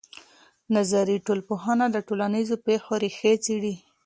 نظري ټولنپوهنه د ټولنیزو پېښو ریښې څېړي.